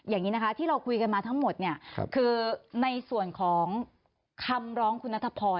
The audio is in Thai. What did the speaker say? อย่างนี้นะคะที่เราคุยกันมาทั้งหมดเนี่ยคือในส่วนของคำร้องคุณนัทพร